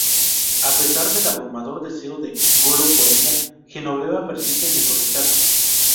A pesar del abrumador deseo de Golo por ella, Genoveva persiste en su rechazo.